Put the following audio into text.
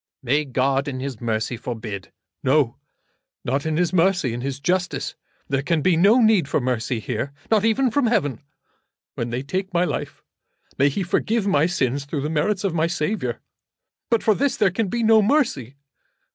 "May God, in His mercy, forbid." "No; not in His mercy; in His justice. There can be no need for mercy here, not even from Heaven. When they take my life may He forgive my sins through the merits of my Saviour. But for this there can be no mercy.